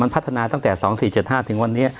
พัฒนาตั้งแต่๒๔๗๕ถึงวันนี้